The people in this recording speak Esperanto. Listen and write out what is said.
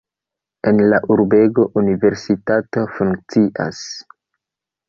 En la urbego universitato funkcias.